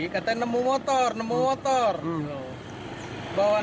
ketua rt menemukan motor di aliran sungai irigasi sasak serong